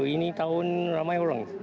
ini tahun ramai orang